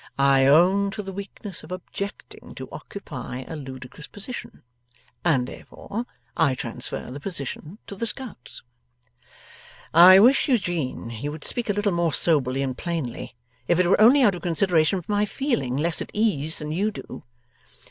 I own to the weakness of objecting to occupy a ludicrous position, and therefore I transfer the position to the scouts.' 'I wish, Eugene, you would speak a little more soberly and plainly, if it were only out of consideration for my feeling less at ease than you do.